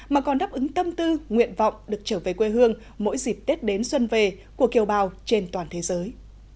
mà còn đáp ứng tâm tư nguyện vọng được trở về quê hương mỗi dịp tết đến xuân về của kiều bào trên toàn thế giới